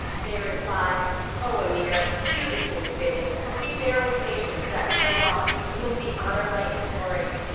They replied, "O Emir, do the King's bidding, for we bear with patience that which Allah (to Whom be Honour, Might and Glory!)